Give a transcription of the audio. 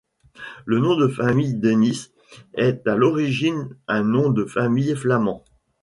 Le nom de famille Denys est à l'origine un nom de famille flamands.